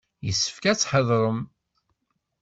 Yessefk ad tḥadrem.